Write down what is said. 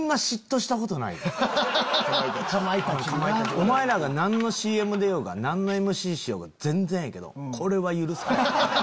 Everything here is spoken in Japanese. お前らが何のＣＭ出ようが何のＭＣしようが全然ええけどこれは許さへん。